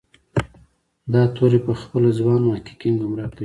دا توری پخپله ځوان محققین ګمراه کوي.